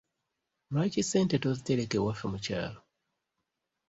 Lwaki ssente tozitereka ewaffe mu kyalo.